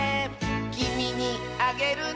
「きみにあげるね」